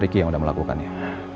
rikyu yang udah melakukannya